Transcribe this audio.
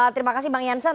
terima kasih bang jansen